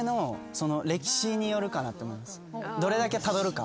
どれだけたどるか。